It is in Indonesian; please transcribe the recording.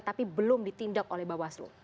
tapi belum ditindak oleh mbak waslu